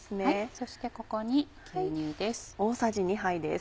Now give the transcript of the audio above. そしてここに牛乳です。